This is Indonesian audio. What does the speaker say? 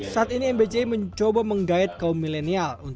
saat ini mbci mencoba menggait kaum milenial